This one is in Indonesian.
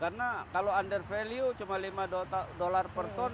karena kalau under value cuma lima dolar per ton